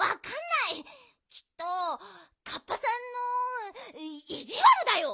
きっとカッパさんのいじわるだよ。